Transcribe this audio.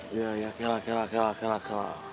iya iya kelak kelak kelak kelak